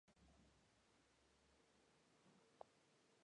The Beginning recibió excelentes críticas en la prensa sueca.